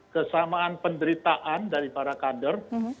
kesamaan penderitaan dari para kader